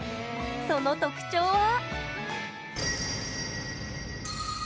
その特徴は。